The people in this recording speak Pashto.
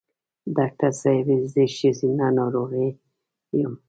ډاکټر صېبې زه ښځېنه ناروغی یم